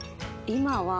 今は。